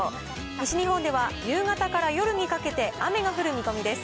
西日本では夕方から夜にかけて、雨が降る見込みです。